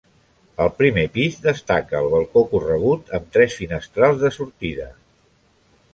Al primer pis, destaca el balcó corregut, amb tres finestrals de sortida.